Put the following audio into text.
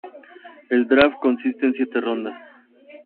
El Draft consiste en siete rondas.